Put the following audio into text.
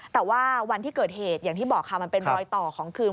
แต่ว่าวันที่เกิดเหตุอย่างที่บอกค่ะมันเป็นรอยต่อของคืน